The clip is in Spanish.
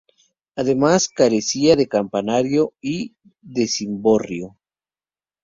Además, carecía de campanario y de cimborrio.